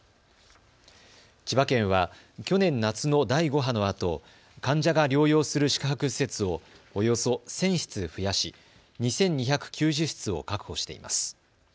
千葉県は去年夏の第５波のあと患者が療養する宿泊施設をおよそ１０００室増やし２２９０室を確保しています。